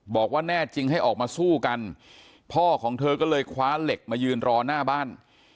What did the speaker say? บอกว่าแน่จริงให้ออกมาสู้กันพ่อของเธอก็เลยคว้าเหล็กมายืนรอหน้าบ้าน